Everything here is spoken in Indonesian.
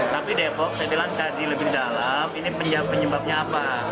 tapi depok saya bilang kaji lebih dalam ini penyebabnya apa